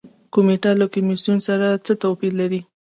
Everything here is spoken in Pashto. کمیټه له کمیسیون سره څه توپیر لري؟